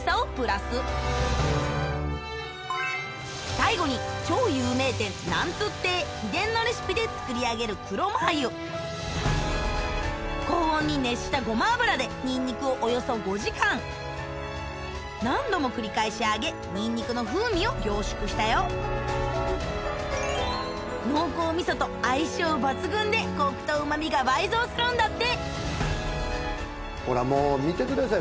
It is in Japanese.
最後に超有名店「なんつッ亭」秘伝のレシピで作り上げる黒マー油高温に熱したゴマ油でニンニクをおよそ５時間何度も繰り返し揚げニンニクの風味を凝縮したよでコクとうま味が倍増するんだってほらもう見てください